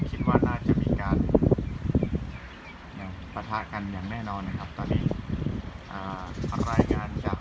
คิดว่าน่าจะมีการประทาดกันอย่างแน่นอนนะครับ